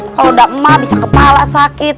kalau udah emak bisa kepala sakit